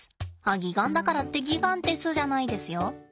あっ擬岩だからってギガンテスじゃないですよ。